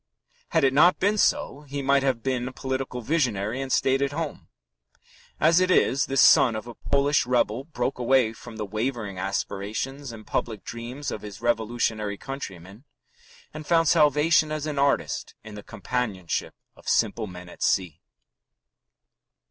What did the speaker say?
Had it not been so, he might have been a political visionary and stayed at home. As it is, this son of a Polish rebel broke away from the wavering aspirations and public dreams of his revolutionary countrymen, and found salvation as an artist in the companionship of simple men at sea.